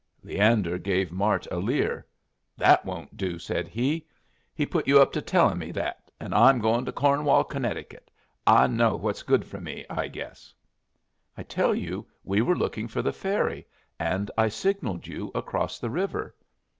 Leander gave Mart a leer. "That won't do," said he. "He's put you up to telling me that, and I'm going to Cornwall, Connecticut. I know what's good for me, I guess." "I tell you we were looking for the ferry, and I signalled you across the river."